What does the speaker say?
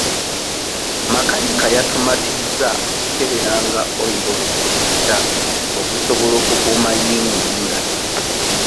Makanika yatumatizza okukeberanga oyiro buli ku makya okusobola okukuuma yingini nga nnamu.